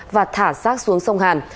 và thả xác xuống sông hàn